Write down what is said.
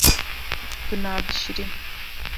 Tu nabişirî.